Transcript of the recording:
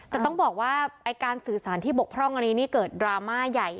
แต่ต้องบอกว่าไอ้การสื่อสารที่บกพร่องอันนี้นี่เกิดดราม่าใหญ่